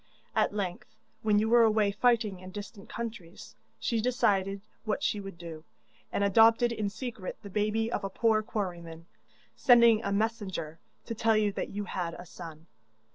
At length, when you were away fighting in distant countries, she decided what she would do, and adopted in secret the baby of a poor quarryman, sending a messenger to tell you that you had a son.